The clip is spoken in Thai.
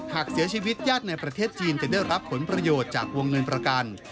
หากเสียชีวิตญาติในประเทศจีนจะได้รับผลประโยชน์จากวงเงินประกัน